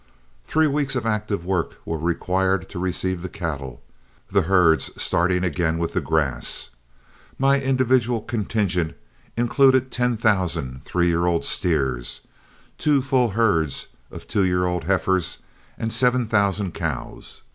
Three weeks of active work were required to receive the cattle, the herds starting again with the grass. My individual contingent included ten thousand three year old steers, two full herds of two year old heifers, and seven thousand cows.